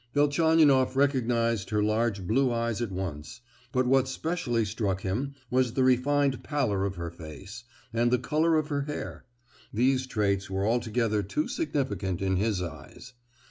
Velchaninoff recognised her large blue eyes at once; but what specially struck him was the refined pallor of her face, and the colour of her hair; these traits were altogether too significant, in his eyes!